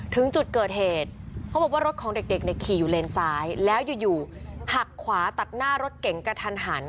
ถึงจุดเกิดเหตุเขาบอกว่ารถของเด็กเนี่ยขี่อยู่เลนซ้ายแล้วอยู่หักขวาตัดหน้ารถเก๋งกระทันหัน